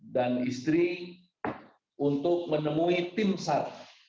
dan istri untuk menemui tim sar